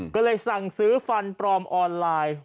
ก็เลยสั่งซื้อฟันปลอมออนไลน์